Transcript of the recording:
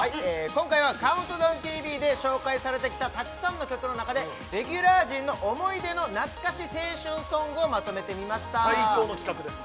今回は「ＣＤＴＶ」で紹介されてきたたくさんの曲のなかでレギュラー陣の思い出の懐かし青春ソングをまとめてみました最高の企画です